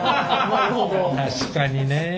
確かにね。